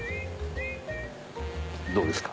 どうですか？